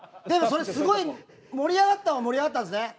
でもそれすごい盛り上がったんは盛り上がったんですね？